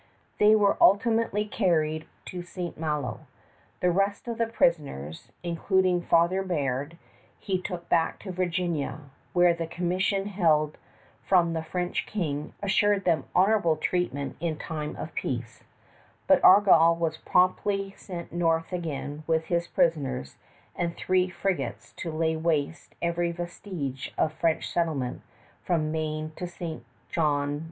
They were ultimately carried to St. Malo. The rest of the prisoners, including Father Biard, he took back to Virginia, where the commission held from the French King assured them honorable treatment in time of peace; but Argall was promptly sent north again with his prisoners, and three frigates to lay waste every vestige of French settlement from Maine to St. John.